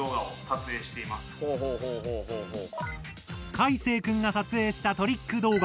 かいせい君が撮影したトリック動画。